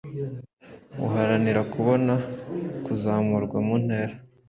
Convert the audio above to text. uharanira kubona kuzamurwa mu ntera